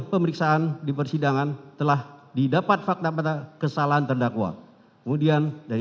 pemeriksaan di persidangan telah didapat fakta fakta kesalahan terdakwa kemudian dari